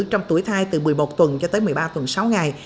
trong tuổi thai từ một mươi một tuần cho tới một mươi ba tuần sáu ngày